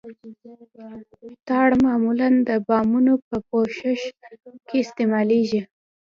ټار معمولاً د بامونو په پوښښ کې استعمالیږي